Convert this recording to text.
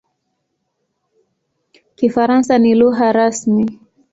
Kifaransa ni lugha rasmi.